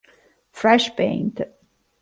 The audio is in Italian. Fresh Paint